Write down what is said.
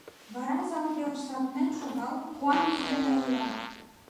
Вара, зал велыш савырнен шогалын, куан йӱк дене ойла: